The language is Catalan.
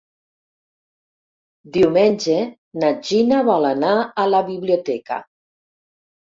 Diumenge na Gina vol anar a la biblioteca.